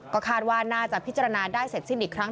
ก็คาดว่าน่าจะพิจารณาได้เสร็จสิ้นอีกครั้ง